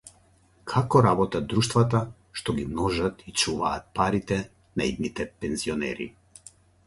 Како работат друштвата што ги множат и чуваат парите на идните пензионери